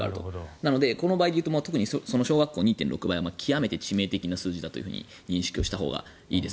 なのでこの場合で言うと小学校２．６倍は極めて致命的な数字だと認識したほうがいいです。